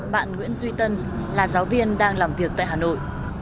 bạn nguyễn duy tân là giáo viên đang làm việc tại hà nội